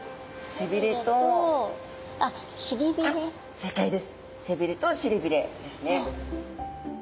背びれとしりびれですね。